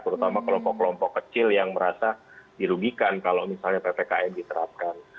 terutama kelompok kelompok kecil yang merasa dirugikan kalau misalnya ppkm diterapkan